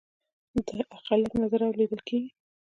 د اقلیت نظر اوریدل کیږي